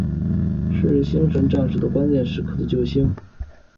是星神战士关键时刻时的救星。